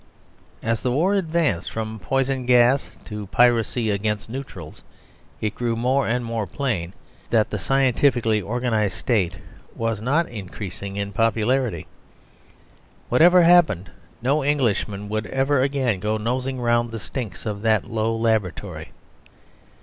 As the war advanced from poison gas to piracy against neutrals, it grew more and more plain that the scientifically organised State was not increasing in popularity. Whatever happened, no Englishmen would ever again go nosing round the stinks of that low laboratory.